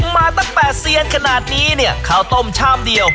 มาตั้งแต่เซียนขนาดนี้เนี่ยข้าวต้มชามเดียว